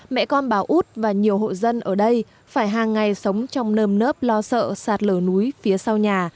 mẹ con bà út và nhiều hộ dân ở đây phải hàng ngày sống trong nơm nớp lo sợ sạt lở núi phía sau nhà